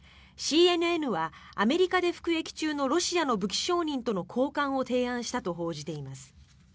ＣＮＮはアメリカで服役中のロシアの武器商人との交換を提案したと報じています。